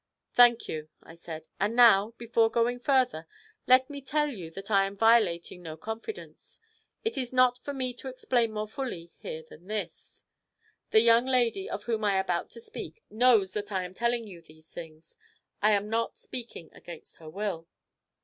'Thank you,' I said. 'And now, before going further, let me tell you that I am violating no confidence; it is not for me to explain more fully here than this: The young lady of whom I am about to speak knows that I am telling you these things. I am not speaking against her will.'